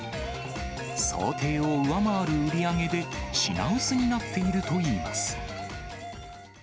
想定を上回る売り上げで、品薄になっているといいます。